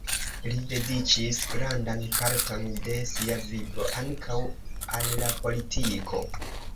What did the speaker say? Li dediĉis grandan parton de sia vivo ankaŭ al la politiko.